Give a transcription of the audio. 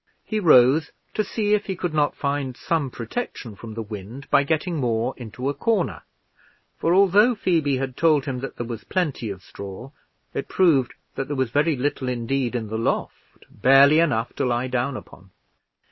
He rose to see if he could not find some protection from the wind by getting more into a corner; for although Phoebe had told him that there was plenty of straw, it proved that there was very little indeed in the loft, barely enough to lie down upon.